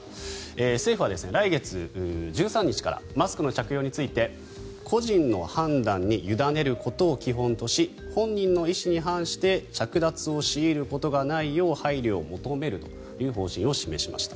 政府は来月１３日からマスクの着用について個人の判断に委ねることを基本とし本人の意思に反して着脱を求めることがないよう配慮を求めるとしました。